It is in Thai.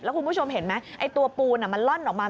คุณผู้ชมเห็นไหมไอ้ตัวปูนมันล่อนออกมา